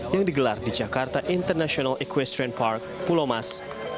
yang digelar di jakarta international equestrian park pulomas